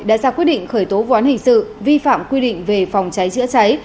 đã ra quyết định khởi tố vụ án hình sự vi phạm quy định về phòng cháy chữa cháy